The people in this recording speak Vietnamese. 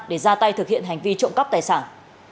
để ra tay thực hiện hành vi trộm cắp tài sản